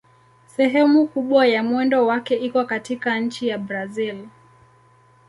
Sehemu kubwa ya mwendo wake iko katika nchi ya Brazil.